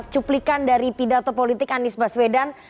cuplikan dari pidato politik anies baswedan